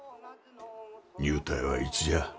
入隊はいつじゃあ？